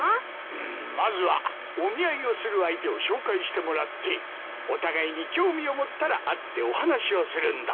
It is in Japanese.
うんまずはお見合いをする相手を紹介してもらってお互いに興味を持ったら会ってお話をするんだ。